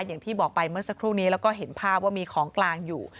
อย่างที่บอกไปเมื่อสักครู่นี้แล้วก็เห็นภาพว่ามีของกลางอยู่